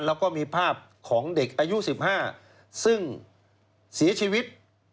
แล้วก็มีภาพของเด็กอายุ๑๕ซึ่งเสียชีวิต